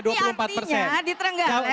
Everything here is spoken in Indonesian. tapi artinya di trenggalek masih ada